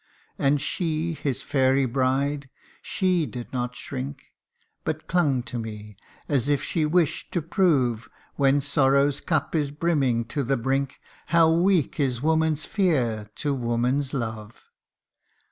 And she, his fairy bride she did not shrink, But clung to me, as if she wish'd to prove, When sorrow's cup is brimming to the brink, How weak is woman's fear to woman's love